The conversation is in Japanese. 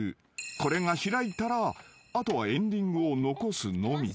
［これが開いたら後はエンディングを残すのみ］